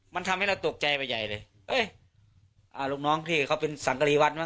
มันทำให้เราตกใจไปใหญ่เลยเอ้ยอ่าลูกน้องที่เขาเป็นสังกรีวัดนะ